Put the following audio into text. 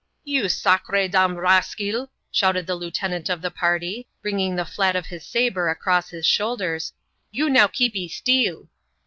'^ You sacre dam raskeel," shouted the lieutenant of the partj, bringing the flat of his sabre across his shoulders, " you now keepy steel."